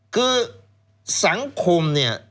คือสังคมเนี่ย